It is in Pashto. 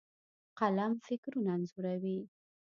قلم فکرونه انځوروي.